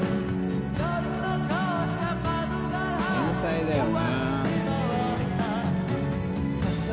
天才だよな。